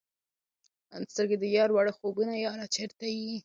سترګي د یار وړه خوبونه یاره چیرته یې؟